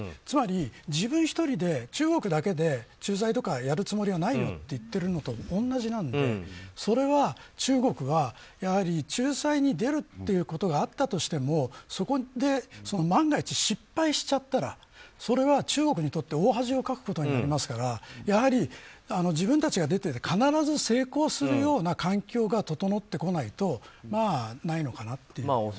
つまり自分１人で中国だけで仲裁とかやるつもりはないよって言ってるのと同じなのでそれは中国が仲裁に出るということがあったとしてもそこで万が一、失敗しちゃったらそれは中国にとって大恥をかくことになりますからやはり自分たちが出て必ず成功するような環境が整ってこないとまあ、ないのかなと思います。